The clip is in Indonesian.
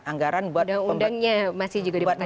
undang undangnya masih juga dipertanyakan